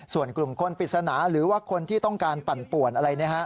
ส่วนกลุ่มคนปริศนาหรือว่าคนที่ต้องการปั่นป่วนอะไร